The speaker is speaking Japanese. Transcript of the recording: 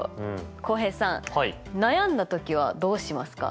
浩平さん悩んだ時はどうしますか？